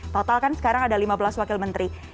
total kan sekarang ada lima belas wakil menteri